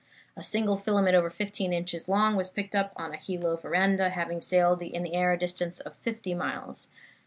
A single filament over fifteen inches long was picked up on a Hilo veranda, having sailed in the air a distance of fifty miles.